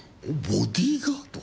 ボディーガード？